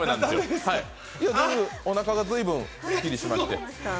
おなかが随分すっきりしまして。